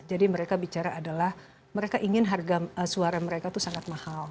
jadi mereka bicara adalah mereka ingin harga suara mereka tuh sangat mahal